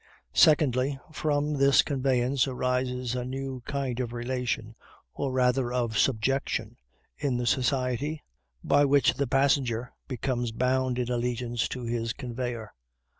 Secondly, from this conveyance arises a new kind of relation, or rather of subjection, in the society, by which the passenger becomes bound in allegiance to his conveyer.